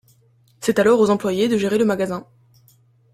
C'est alors aux employés de gérer le magasin.